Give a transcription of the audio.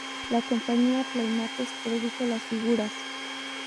La compañía Playmates produjo las figuras.